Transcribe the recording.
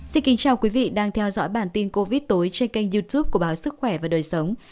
xin kính chào quý vị đang theo dõi bản tin covid tối trên kênh youtube của báo sức khỏe và đời sống